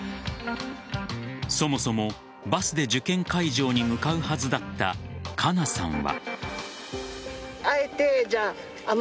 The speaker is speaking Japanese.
そもそも、バスで受験会場に向かうはずだった佳奈さんは。